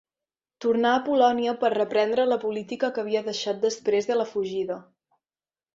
Tornà a Polònia per reprendre la política que havia deixat després de la fugida.